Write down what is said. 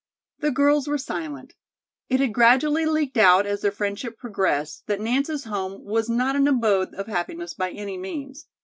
The girls were silent. It had gradually leaked out as their friendship progressed that Nance's home was not an abode of happiness by any means.